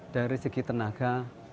dari segi tenaga